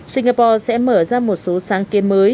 singapore sẽ mở ra một số sáng kiến mới